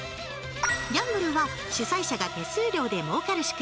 ギャンブルは主催者が手数料でもうかる仕組み。